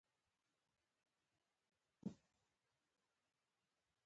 تور سرې کوچنيان او سپين ږيري يې ګرد سره تر خارور لاندې کړي وو.